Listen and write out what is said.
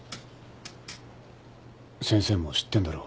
先生も知ってんだろう。